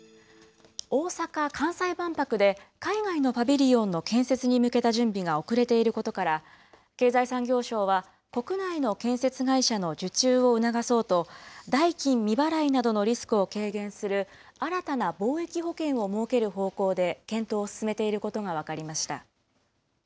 大阪・関西万博で、海外のパビリオンの建設に向けた準備が遅れていることから、経済産業省は、国内の建設会社の受注を促そうと、代金未払いなどのリスクを軽減する新たな貿易保険を設ける方向で検討を進めていることが分かりま